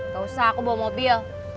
gak usah aku bawa mobil